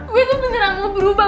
gue tuh beneran mau berubah